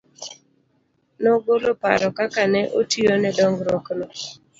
Nogolo paro kaka ne otiyo ne dong'ruok no.